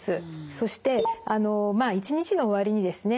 そしてまあ一日の終わりにですね